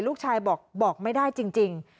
ลูกชายบอกไม่ได้จริง